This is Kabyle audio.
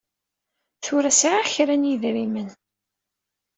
Tura sɛiɣ kra n yedrimen.